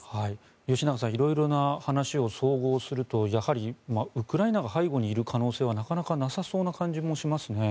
吉永さん、色々な話を総合するとやはりウクライナが背後にいる可能性はなかなかなさそうな感じはしますね。